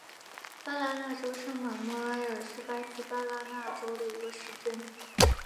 巴拉那州圣马诺埃尔是巴西巴拉那州的一个市镇。